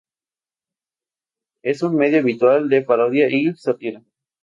Es un medio habitual de parodia y sátira.